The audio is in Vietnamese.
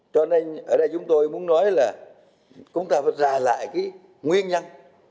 cho nên ở đây chúng tôi muốn nói là chúng ta phải ra lại cái nguyên nhân